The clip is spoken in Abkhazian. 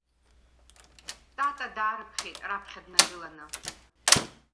Тата даарыԥхьеит, раԥхьа днагыланы.